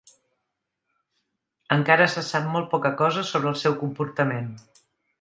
Encara se sap molt poca cosa sobre el seu comportament.